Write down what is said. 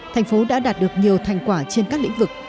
thành phố đã đạt được nhiều thành quả trên các lĩnh vực